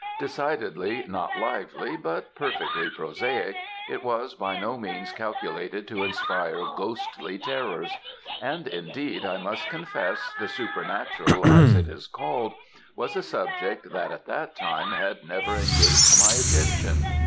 Decidedly not lively, but perfectly prosaic, it was by no means calculated to inspire ghostly terrors; and, indeed, I must confess the supernatural, as it is called, was a subject that, at that time, had never engaged my attention.